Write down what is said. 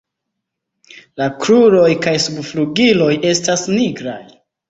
La kruroj kaj subflugiloj estas nigraj.